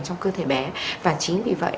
trong cơ thể bé và chính vì vậy